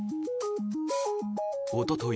おととい